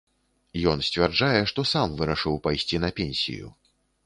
Ён сцвярджае, што сам вырашыў пайсці на пенсію.